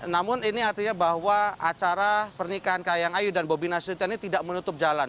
namun ini artinya bahwa acara pernikahan kahiyang ayu dan bobi nasution ini tidak menutup jalan